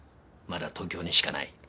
まだ東京にしかない。